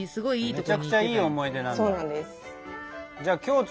めちゃくちゃいい思い出なんだ。